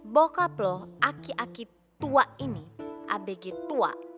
bokap loh aki aki tua ini abg tua